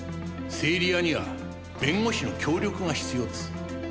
整理屋には弁護士の協力が必要です。